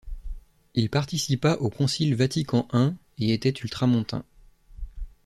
Il participa au concile Vatican I, et était ultramontain.